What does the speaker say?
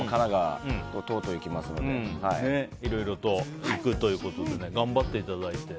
いろいろと行くということで頑張っていただいて。